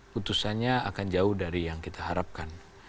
putusannya akan jauh dari yang kita harapkan